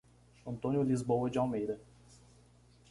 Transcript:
Antônio Lisboa de Almeida